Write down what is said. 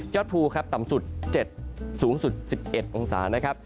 ยอดภูต่ำสุด๗สูงสุด๑๑องศา